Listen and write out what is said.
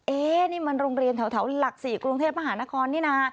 นี่มันโรงเรียนแถวหลัก๔กรุงเทพมหานครนี่นะ